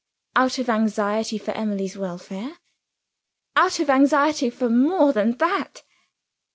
"Out of anxiety for Emily's welfare?" "Out of anxiety for more than that."